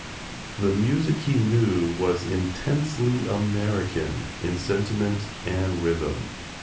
The music he knew was intensely American in sentiment and rhythm.